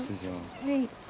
はい。